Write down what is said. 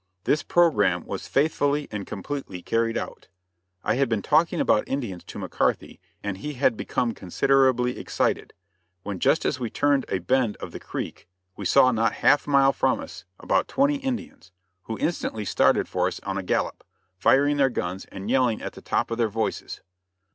This programme was faithfully and completely carried out. I had been talking about Indians to McCarthy, and he had become considerably excited, when just as we turned a bend of the creek, we saw not half a mile from us about twenty Indians, who instantly started for us on a gallop, firing their guns and yelling at the top of their voices.